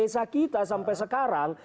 desa kita sampai sekarang